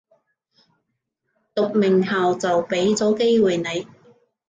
讀名校就畀咗機會你